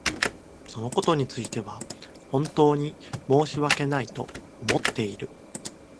そのことについては本当に申し訳ないと思っている。